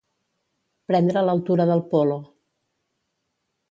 Prendre l'altura del polo.